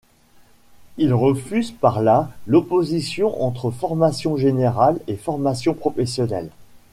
Il refuse par là l’opposition entre formation générale et formation professionnelle.